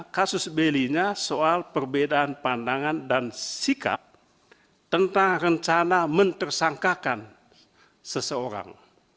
kasus belinya soal perbedaan pandangan dan sikap tentang rencana mentersangkakan seseorang